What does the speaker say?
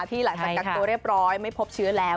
ที่หลายสักกัดตัวเรียบร้อยไม่พบเชื้อแล้ว